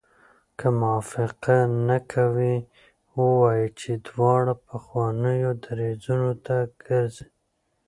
که موافقه نه کوي ووایي چې دواړه پخوانیو دریځونو ته ګرځي.